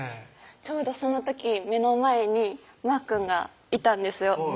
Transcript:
ちょうどその時目の前にまーくんがいたんですよ